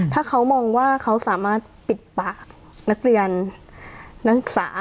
ถ้าเขามองว่าเขาสามารถปิดปากนักเรียนนักศึกษา